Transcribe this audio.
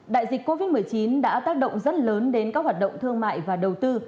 đại dịch covid một mươi chín đã tác động rất lớn đến các hoạt động thương mại và đầu tư